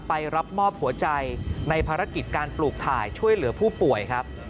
ไปรับมอบหัวใจในภารกิจการปลูกถ่ายช่วยเหลือผู้ป่วยครับ